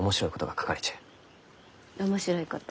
面白いこと？